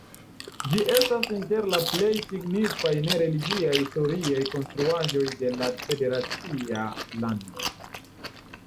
Ĝi estas inter la plej signifaj ne-religiaj historiaj konstruaĵoj de la federacia lando.